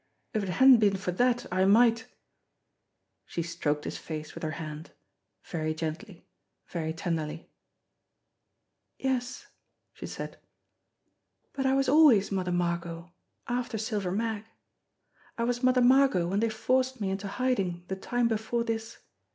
If it hadn't been for that I might " She stroked his face with her hand, very gently, very tenderly. THE PORT OF DAWN 299 < 'Yes," she said ; "but I was always Mother Margot after Silver Mag. I was Mother Margot when they forced me into hiding the time before this.